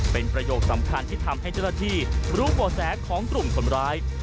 เป็นประโยคสำคัญที่ทำให้เจ้าหน้าที่รู้บ่อแสของกลุ่มคนร้าย